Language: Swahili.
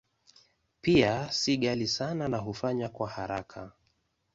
Pia si ghali sana na hufanywa kwa haraka.